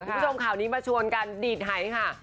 ผู้ชมข่าวนี้มาชวนนกันดิดไห้ค่ะ